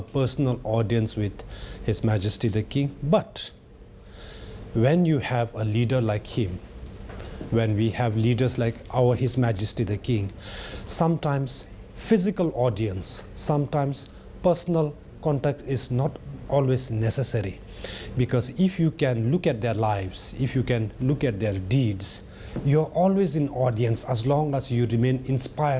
เพราะว่าถ้าคุณสูงใจวัตถุรรคไม่เจอจะมีความสุขที่ใจ